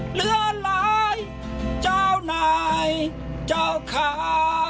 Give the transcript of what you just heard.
เหลือหลายเจ้านายเจ้าขา